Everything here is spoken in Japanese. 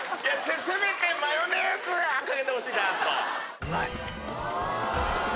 せめてマヨネーズはかけて欲しいな。